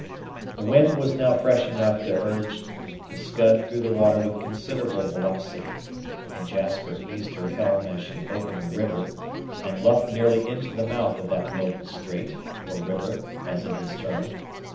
The wind was now fresh enough to urge the Scud through the water with considerable velocity, and Jasper eased her helm as she opened the river, and luffed nearly into the mouth of that noble strait, or river, as it is termed.